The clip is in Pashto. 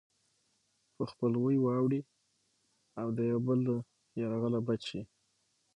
په خپلوۍ واوړي او د يو بل له يرغله بچ شي.